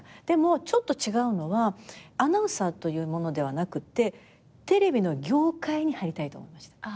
でもちょっと違うのはアナウンサーというものではなくてテレビの業界に入りたいと思いました。